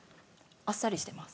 あっさりしています。